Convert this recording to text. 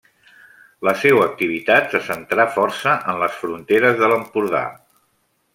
La seua activitat se centrà força en les fronteres de l'Empordà.